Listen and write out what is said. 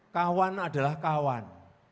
kawan adalah kawan